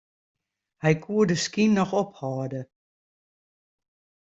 Hy koe de skyn noch ophâlde.